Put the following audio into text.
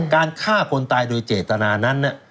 การฆ่าคนตายโดยเจตนานั้น